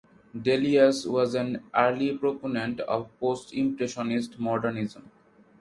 Delius was an early proponent of post-impressionist modernism.